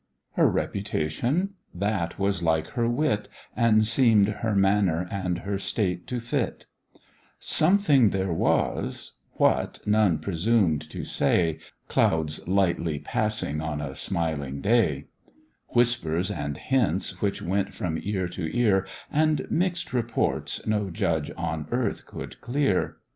"Her reputation?" That was like her wit, And seem'd her manner and her state to fit; Sometking there was what, none presumed to say; Clouds lightly passing on a smiling day, Whispers and hints which went from ear to ear, And mix'd reports no judge on earth could clear.